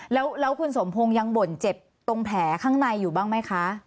แล้วคุณสมพงศ์ยังบ่นเจ็บตรงแผลข้างในอยู่บ้างไหมคะ